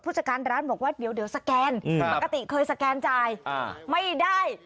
จัดการร้านบอกว่าเดี๋ยวสแกนปกติเคยสแกนจ่ายไม่ได้